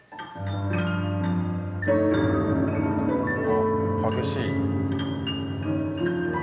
あ激しい。